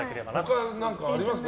他、何かありますか？